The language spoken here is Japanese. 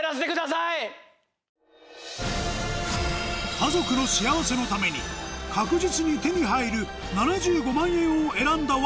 家族の幸せのために確実に手に入る７５万円を選んだ亘